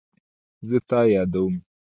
زه تا یادوم